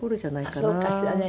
あっそうかしらね。